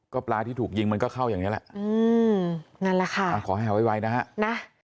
ก็ปลาที่ถูกยิงมันก็เข้าอย่างนี้แหละขอให้ไวนะครับ